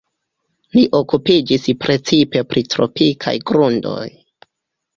Li okupiĝis precipe pri tropikaj grundoj.